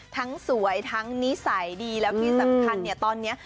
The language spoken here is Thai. สวยทั้งนิสัยดีแล้วที่สำคัญเนี่ยตอนนี้